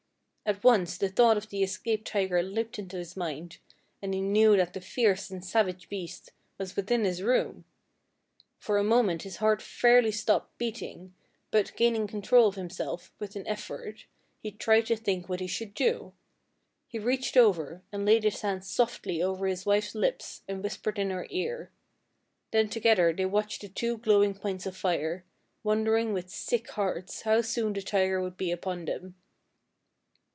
At once the thought of the escaped tiger leaped into his mind, and he knew that the fierce and savage beast was within his room. For a moment his heart fairly stopped beating, but, gaining control of himself with an effort, he tried to think what he should do. He reached over and laid his hand softly over his wife's lips and whispered in her ear. Then together they watched the two glowing points of fire, wondering with sick hearts how soon the tiger would be upon them.